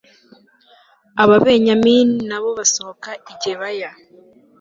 ababenyamini na bo basohoka i gibeya